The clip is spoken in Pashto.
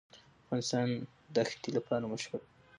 افغانستان د ښتې لپاره مشهور دی.